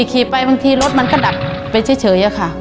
ขี่ไปบางทีรถมันก็ดับไปเฉยอะค่ะ